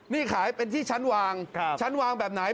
นี่ขายเป็นที่ชั้นวางชั้นวางแบบไหน